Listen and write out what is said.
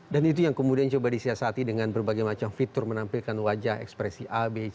dan itu yang kemudian coba disiasati dengan berbagai macam fitur menampilkan wajah ekspresi a b c d e dan seterusnya